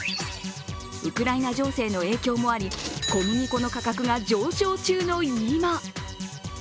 ウクライナ情勢の影響もあり、小麦粉の価格が上昇中の今。